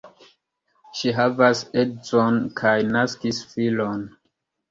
Ŝi havas edzon kaj naskis filon.